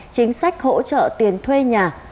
chính sách hỗ trợ tiền thuê nhà